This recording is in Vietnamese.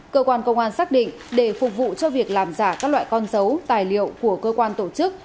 cơ quan công an xác định để phục vụ cho việc làm giả các loại con dấu tài liệu của cơ quan tổ chức